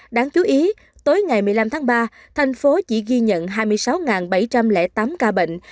đáng chú ý tới ngày một mươi năm tháng ba thành phố chỉ ghi nhận hai mươi sáu bảy trăm linh tám ca bệnh